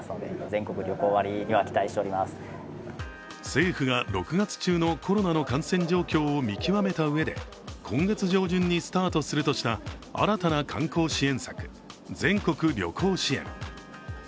政府が６月中のコロナの感染状況を見極めたうえで今月上旬にスタートするとした新たな観光支援策、全国旅行支援。